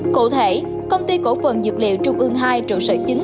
cụ thể công ty cổ phần dược liệu trung ương hai trụ sở chính